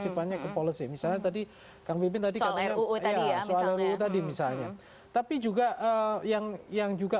simpannya ke policy misalnya tadi kang mimpin tadi soal ruu tadi ya misalnya tapi juga yang yang juga